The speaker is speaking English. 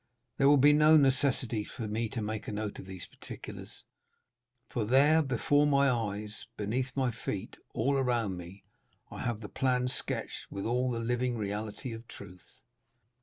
There will be no necessity for me to make a note of these particulars, for there, before my eyes, beneath my feet, all around me, I have the plan sketched with all the living reality of truth."